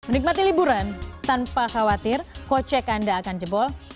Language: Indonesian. menikmati liburan tanpa khawatir kocek anda akan jebol